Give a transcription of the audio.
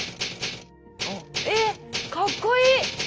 えっかっこいい！